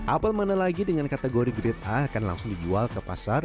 apel mana lagi dengan kategori grade a akan langsung dijual ke pasar